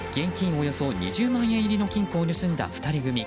およそ２０万円入りの金庫を盗んだ２人組。